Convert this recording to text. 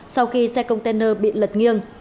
sau khi xe container bị lật nghiêng